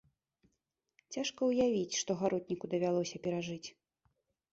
Цяжка ўявіць, што гаротніку давялося перажыць.